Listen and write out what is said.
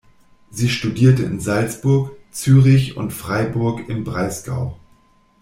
Sie studierte in Salzburg, Zürich und Freiburg im Breisgau.